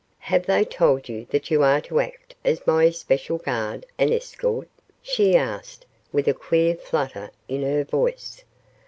"Have they told you that you are to act as my especial guard and escort?" she asked, with a queer flutter in her voice.